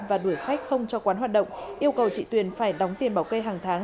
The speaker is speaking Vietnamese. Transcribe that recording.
và đuổi khách không cho quán hoạt động yêu cầu chị tuyền phải đóng tiền bảo kê hàng tháng